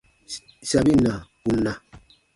Sabin na, ù na.